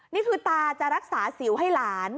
นี่คือตาจะรักษาสิวให้หลาน